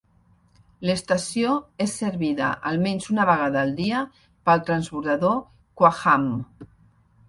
L'estació és servida almenys una vegada al dia pel transbordador Koaham.